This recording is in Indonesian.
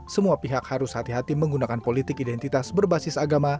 semua pihak harus hati hati menggunakan politik identitas berbasis agama